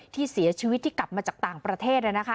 ที่เสียชีวิตกลับมาจากต่างประเทศเนอะนะคะ